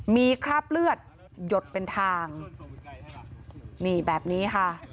มีคราบเลือดหยดเป็นทางนี่แบบนี้ค่ะ